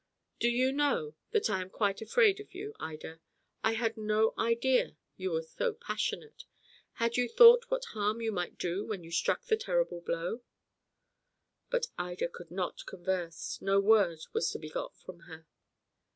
"Do you know that I am quite afraid of you, Ida? I had no idea that you were so passionate. Had you no thought what harm you might do when you struck that terrible blow?" But Ida could not converse; no word was to be got from her.